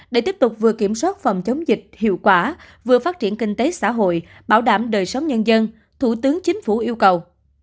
để tiếp tục vừa kiểm soát phòng chống dịch hiệu quả vừa phát triển kinh tế xã hội bảo đảm đời sống nhân dân thủ tướng chính phủ yêu cầu